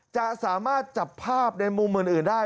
จะสามารถจับภาพในมุมอื่นได้